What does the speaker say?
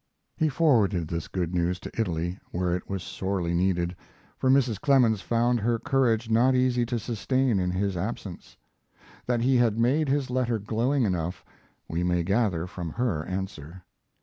He forwarded this good news to Italy, where it was sorely needed, for Mrs. Clemens found her courage not easy to sustain in his absence. That he had made his letter glowing enough, we may gather from her answer.